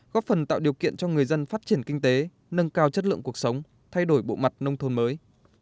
góp phần tạo điều kiện cho người dân phát triển kinh tế nâng cao chất lượng cuộc sống thay đổi bộ mặt nông thôn mới